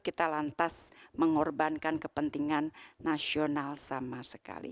kita lantas mengorbankan kepentingan nasional sama sekali